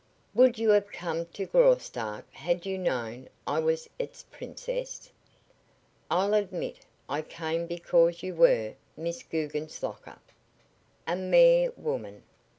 "Would you have come to Graustark had you known I was its princess?" "I'll admit I came because you were Miss Guggenslocker." "A mere woman."